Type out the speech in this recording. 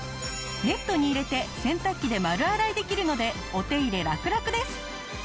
ネットに入れて洗濯機で丸洗いできるのでお手入れラクラクです。